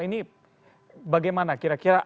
ini bagaimana kira kira